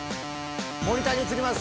モニターに映ります。